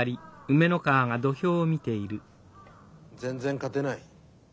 全然勝てない。